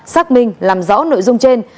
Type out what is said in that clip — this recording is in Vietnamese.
xác minh làm rõ nội dung trên